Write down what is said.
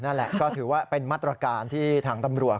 นั่นแหละก็ถือว่าเป็นมาตรการที่ทางตำรวจ